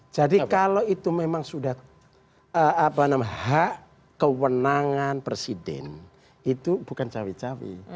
jadi kalau itu memang sudah hak kewenangan presiden itu bukan cawe cawe